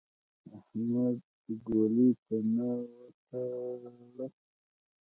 احمد ګولۍ ته نه وتاړه.